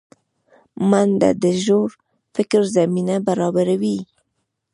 منډه د ژور فکر زمینه برابروي